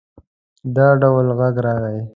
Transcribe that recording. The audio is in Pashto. د ډول غږ راغی.